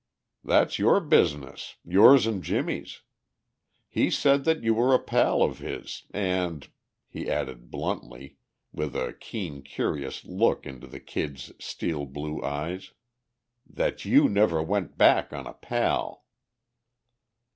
"That's your business, yours and Jimmie's. He said that you were a pal of his, and," he added bluntly, with a keen curious look into the Kid's steel blue eyes, "that you never went back on a pal."